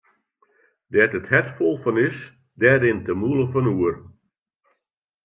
Dêr't it hert fol fan is, dêr rint de mûle fan oer.